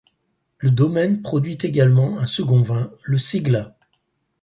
Le domaine produit également un second vin, le Ségla.